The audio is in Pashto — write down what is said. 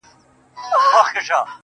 راكيټونو دي پر ما باندي را اوري,